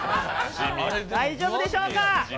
大丈夫でしょうか。